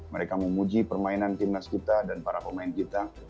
mereka memuji permainan timnas kita dan para pemain kita